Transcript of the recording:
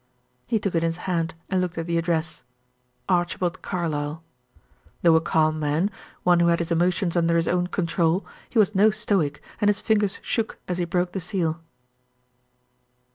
He took it in his hand and looked at the address "Archibald Carlyle." Though a calm man, one who had his emotions under his own control, he was no stoic, and his fingers shook as he broke the seal.